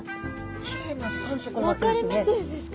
きれいな３色になってますね。